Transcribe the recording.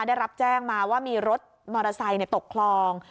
ได้รับแจ้งมาว่ามีรถมอเตอร์ไซค์ตกคลอง